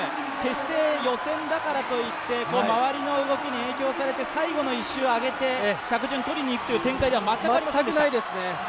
決して予選だからといって周りの動きに影響されて最後の１周を上げて着順をとりにくという展開では全くありません。